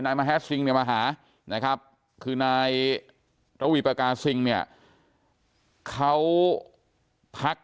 นายมหาศิลป์เนี่ยมาหานะครับคือนายระวีปกาศิลป์เนี่ยเขาพัก